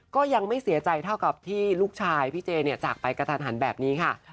ก็ยังไม่เสียใจเท่ากับที่ลูกชายพี่เจจากไปกระทันหันแบบนี้ค่ะ